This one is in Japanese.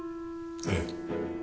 ええ。